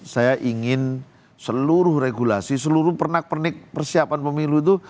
saya ingin seluruh regulasi seluruh pernak pernik persiapan pemilu itu